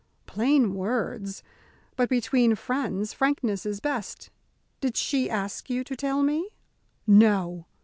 "Plain words! But between friends frankness is best. Did she ask you to tell me?" "No!